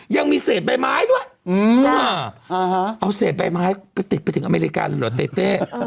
ยังมีเศษใบไม้ด้วยเอาเศษใบไม้ไปติดไปถึงอเมริกันเหรอเต้เต้